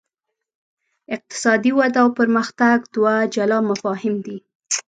اقتصادي وده او پرمختګ دوه جلا مفاهیم دي.